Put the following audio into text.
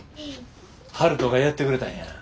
悠人がやってくれたんや。